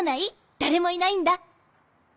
誰もいないんだ。